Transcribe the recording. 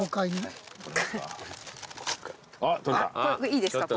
いいですか？